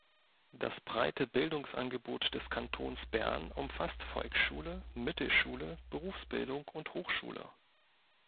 Das breite Bildungsangebot des Kantons Bern umfasst Volksschule, Mittelschule, Berufsbildung und Hochschule.